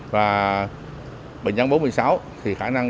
và bệnh nhân bốn trăm một mươi sáu thì khả năng chúng tôi